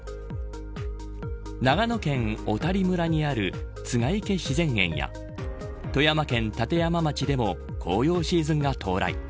長野県小谷村にある栂池自然園や富山県立山町でも紅葉シーズンが到来。